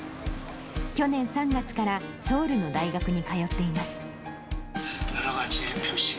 去年３月からソウルの大学に通っています。